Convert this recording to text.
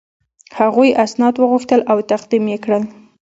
هغوی اسناد وغوښتل او تقدیم یې کړل.